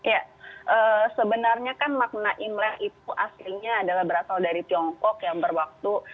ya sebenarnya kan makna imlek itu aslinya adalah berasal dari tiongkok yang berwaktu